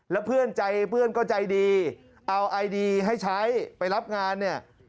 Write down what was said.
แล้วเพื่อนใจเพื่อนก็ใจดีเอาไอดีให้ใช้ไปรับงานเนี่ย